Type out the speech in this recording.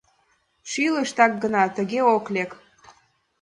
— Шӱлыш так гына тыге ок лек.